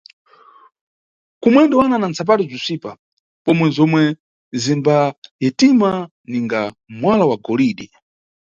Kumwendo ana ntsapato zisvipa pomwe zomwe zimbayetima ninga mwala wa golide.